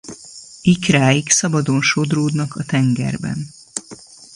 Ikráik szabadon sodródnak a tengerben.